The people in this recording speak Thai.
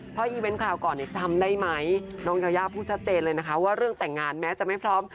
เพราะอีเวนต์คราวก่อนเนี่ยจำได้ไหมน้องยายาพูดชัดเจนเลยนะคะว่าเรื่องแต่งงานแม้จะไม่พร้อม